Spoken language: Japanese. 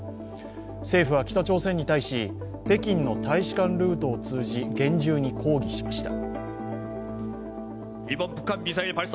政府は北朝鮮に対し北京の大使館ルートを通じ厳重に抗議しました。